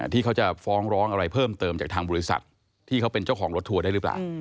ที่เขาจะฟ้องร้องอะไรเพิ่มเติมจากทางบริษัทที่เขาเป็นเจ้าของรถทัวร์ได้หรือเปล่า